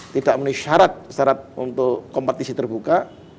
tidak menuhi syarat syarat untuk kompetisi terbuka